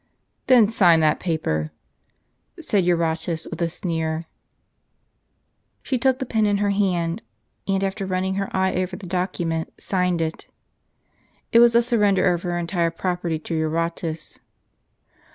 "Then sign that paper," said Eurotas, with a sneer. She took the pen in her hand, and after running her eye over the document, signed it. It was a surrender of her entire property to Eurotas.